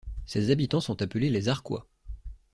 Ses habitants sont appelés les Arquois.